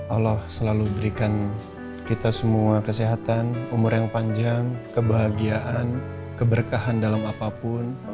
allah selalu berikan kita semua kesehatan umur yang panjang kebahagiaan keberkahan dalam apapun